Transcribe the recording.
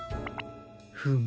フム。